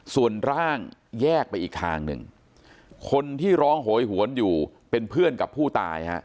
ส่วนร่างแยกไปอีกทางหนึ่งคนที่ร้องโหยหวนอยู่เป็นเพื่อนกับผู้ตายฮะ